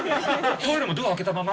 トイレもドア開けたまま？